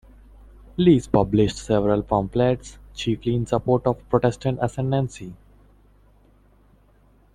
Lees published several pamphlets, chiefly in support of Protestant ascendency.